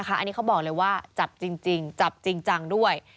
อันนี้เขาบอกเลยว่าจับจริงจับจริงจังด้วย